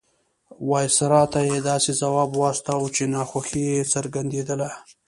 وایسرا ته یې داسې ځواب واستاوه چې ناخوښي یې څرګندېدله.